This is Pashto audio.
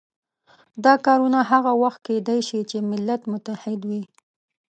دا کارونه هغه وخت کېدای شي چې ملت متحد وي.